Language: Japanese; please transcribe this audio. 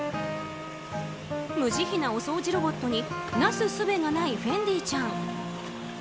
無慈悲なお掃除ロボットになすすべがないフェンディちゃん。